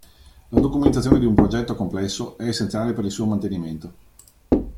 La documentazione di un progetto complesso è essenziale per il suo mantenimento.